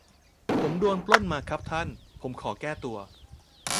ผมโดนปล้นมาครับท่าน ผมขอแก้ตัว